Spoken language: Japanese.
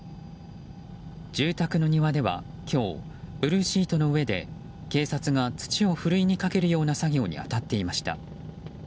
住宅の庭では今日ブルーシートの上で警察が土をふるいに掛けるような作業に当たっていました。